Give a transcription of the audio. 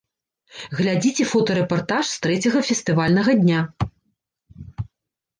Глядзіце фотарэпартаж з трэцяга фестывальнага дня!